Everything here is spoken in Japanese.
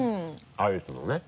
アイスのね。